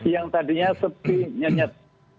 yang tadinya sepi nyenyet